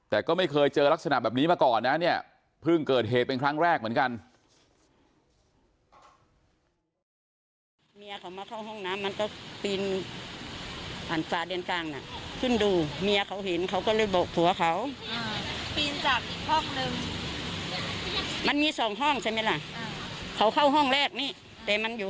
แต่ก็ไม่เคยเจอลักษณะแบบนี้มาก่อนนะเนี่ยเพิ่งเกิดเหตุเป็นครั้งแรกเหมือนกัน